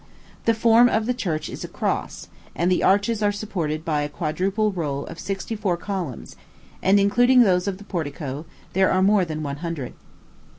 The form of the church is a cross, and "the arches are supported by a quadruple row of sixty four columns; and, including those of the portico, there are more than one hundred.